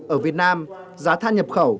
ở việt nam giá than nhập khẩu